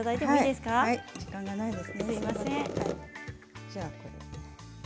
すみません。